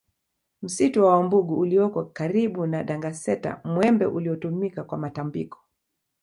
Msitu wa Wambugu ulioko karibu na Dangaseta Mwembe uliotumika kwa matambiko